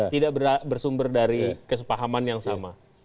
tidak bersumber dari kesepahaman yang sama